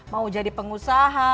mau jadi pengusaha